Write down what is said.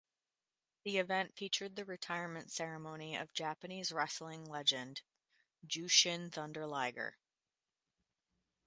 The event featured the retirement ceremony of Japanese wrestling legend Jushin Thunder Liger.